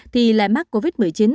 thì lại mắc covid một mươi chín